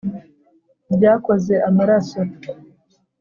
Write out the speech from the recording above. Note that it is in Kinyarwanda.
ryakoze amaraso